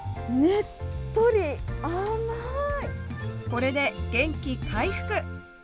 これで元気回復。